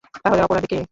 তাহলে অপরাধী কে?